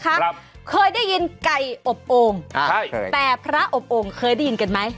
ครับเคยได้ยินไก่อบโอ่งอ่าใช่แต่พระอบโอ่งเคยได้ยินกันไหม